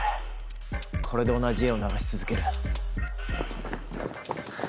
これで同じ画を流し続ける。